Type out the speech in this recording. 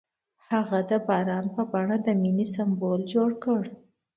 هغه د باران په بڼه د مینې سمبول جوړ کړ.